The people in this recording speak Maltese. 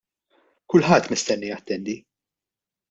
Kulħadd mistenni jattendi.